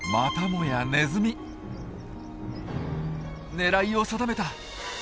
狙いを定めた！